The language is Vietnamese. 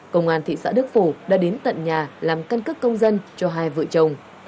công an thị xã đức phổ đã đến tận nhà làm căn cước công dân cho hai vợ chồng